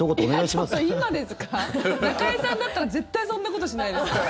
中居さんだったら絶対そんなことしないですよ。